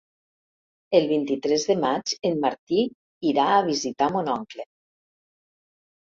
El vint-i-tres de maig en Martí irà a visitar mon oncle.